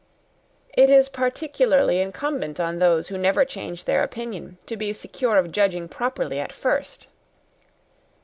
"It is particularly incumbent on those who never change their opinion, to be secure of judging properly at first."